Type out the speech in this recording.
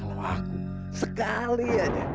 kalau aku sekali aja